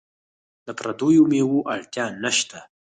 د پردیو میوو اړتیا نشته.